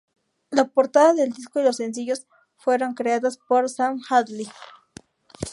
La portada del disco y los sencillos fueron creadas por Sam Hadley.